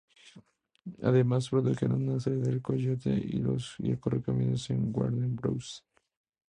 Además produjeron una serie del "Coyote y el Correcaminos" para Warner Bros.